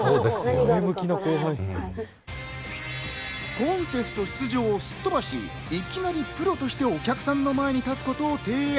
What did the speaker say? コンテスト出場をすっ飛ばし、いきなりプロとしてお客さんの前に立つことを提案。